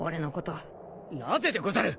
なぜでござる？